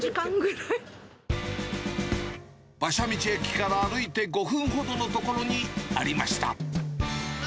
馬車道駅から歩いて５分ほどの所にありました。